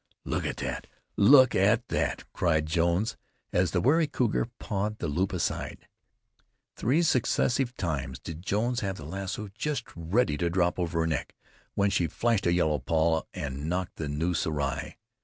"Look at that! look at that!" cried Jones, as the wary cougar pawed the loop aside. Three successive times did Jones have the lasso just ready to drop over her neck, when she flashed a yellow paw and knocked the noose awry.